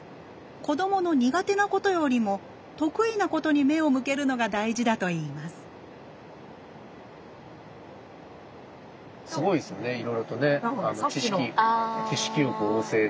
子どもの苦手なことよりも得意なことに目を向けるのが大事だといいますそうですかはい。